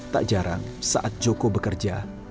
tak jarang saat joko bekerja